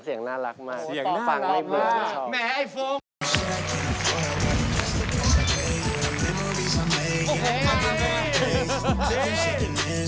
เสียงน่ารักมาก